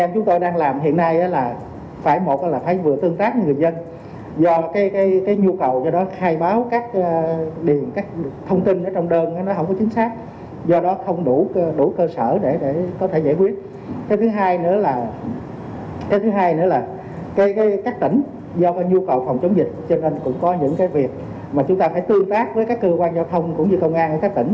chúng ta phải tương tác với các cơ quan giao thông cũng như công an và các tỉnh